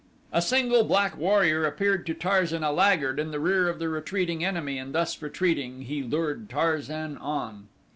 A single black warrior appeared to Tarzan a laggard in the rear of the retreating enemy and thus retreating he lured Tarzan on.